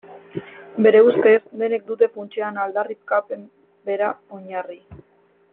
Bere ustez denek dute funtsean aldarrikapen bera oinarri.